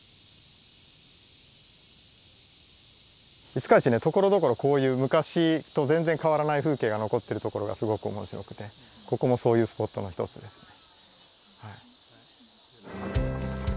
五日市ねところどころこういう昔と全然変わらない風景が残ってるところがすごく面白くてここもそういうスポットの一つですね。